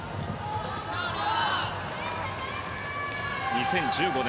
２０１５年